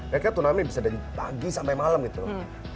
mereka tunami bisa dari pagi sampai malam gitu loh